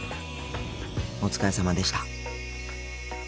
お疲れさまでした。